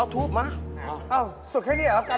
ดูจานทั้งหมดแล้ว